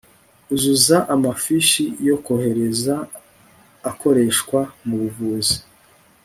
uzuza amafishi yo kohereza akoreshwa mu buvuzi